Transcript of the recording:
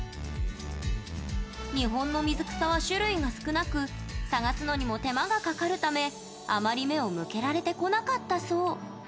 日本の水草は種類が少なく探すのにも手間がかかるためあまり目を向けられてこなかったそう。